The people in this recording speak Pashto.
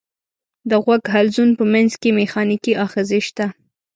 د غوږ حلزون په منځ کې مېخانیکي آخذې شته.